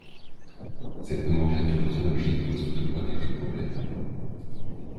Cette nomenclature chronologique pose toutefois quelques problèmes.